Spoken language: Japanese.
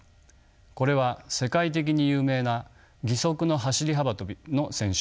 これは世界的に有名な義足の走り幅跳びの選手